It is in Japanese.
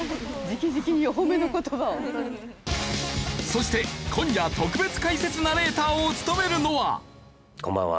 そして今夜特別解説ナレーターを務めるのは。